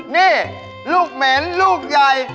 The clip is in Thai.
นี่ลูกเหม็นลูกใหญ่